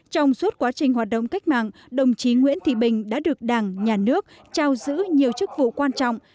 trong suốt quá trình hoạt động cách mạng đồng chí nguyễn thị bình đã được đảng nhà nước trao giữ nhiều chức vụ quan trọng